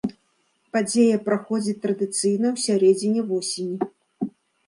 Падзея праходзіць традыцыйна ў сярэдзіне восені.